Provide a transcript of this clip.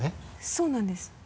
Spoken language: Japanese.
そうなんです。